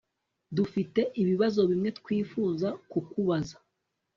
Dufite ibibazo bimwe twifuza kukubaza